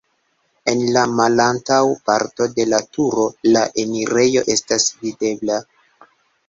En la malantaŭ parto de la turo la enirejo estas videbla.